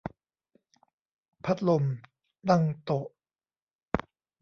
พัดลมตั้งโต๊ะ